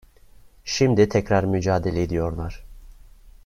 Şimdi tekrar mücadele ediyorlar.